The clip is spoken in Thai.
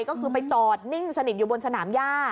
ก็คือไปจอดนิ่งสนิทอยู่บนสนามย่า